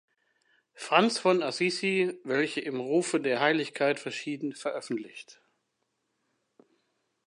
Franz von Assisi, welche im Rufe der Heiligkeit verschieden“ veröffentlicht.